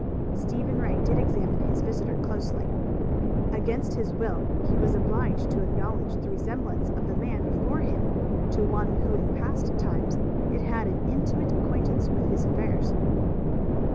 Stephen Ray did examine his visitor closely. Against his will he was obliged to acknowledge the resemblance of the man before him to one who in past times had had an intimate acquaintance with his affairs.